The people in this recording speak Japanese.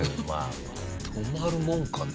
止まるもんかね？